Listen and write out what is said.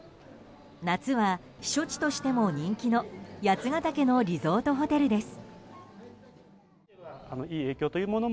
夏は避暑地としても人気の八ヶ岳のリゾートホテルです。